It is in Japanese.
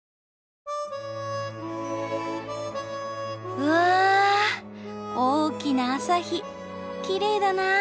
うわあ大きな朝日きれいだなぁ。